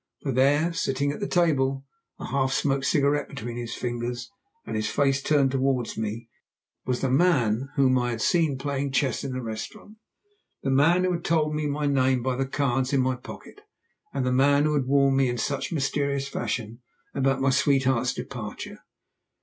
For there, sitting at the table, a half smoked cigarette between his fingers, and his face turned towards me, was the man whom I had seen playing chess in the restaurant, the man who had told me my name by the cards in my pocket, and the man who had warned me in such a mysterious fashion about my sweetheart's departure.